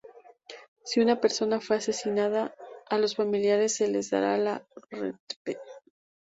Si una persona fue asesinada a los familiares se le dará Rp.